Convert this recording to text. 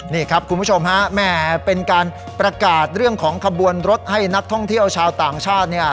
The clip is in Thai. นี่ครับคุณผู้ชมฮะแหมเป็นการประกาศเรื่องของขบวนรถให้นักท่องเที่ยวชาวต่างชาติเนี่ย